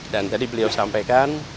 dan tadi beliau sampaikan